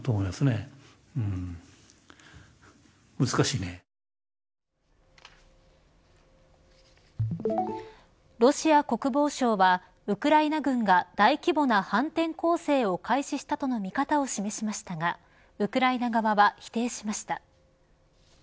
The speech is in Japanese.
一方、経団連の十倉会長は。ロシア国防省はウクライナ軍が大規模な反転攻勢を開始したとの見方を示しましたがウクライナ側は否定しました。